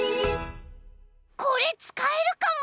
これつかえるかも！